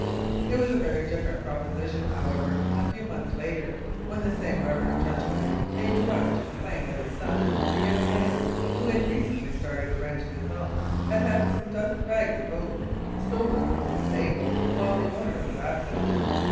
It was a very different proposition, however, a few months later when the same reverend gentleman came to us to complain that his son, a young man, who had recently started a ranch of his own, had had some half dozen bags of oats stolen from his stable while the owner was absent.